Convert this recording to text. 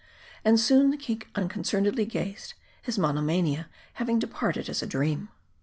And soon the king unconcernedly gazed ; his monomania having departed as a dream.